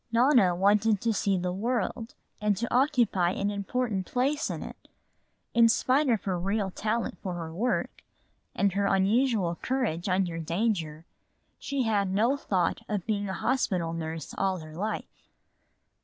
Nona wanted to see the world and to occupy an important place in it. In spite of her real talent for her work and her unusual courage under danger, she had no thought of being a hospital nurse all her life.